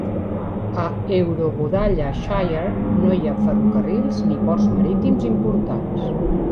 A Eurobodalla Shire no hi ha ferrocarrils ni ports marítims importants.